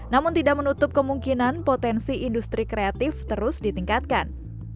namun tidak menutup kemungkinan potensi industri kreatif terus ditingkatkan